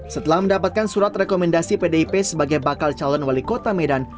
setelah mendapatkan surat rekomendasi pdip sebagai bakal calon wali kota medan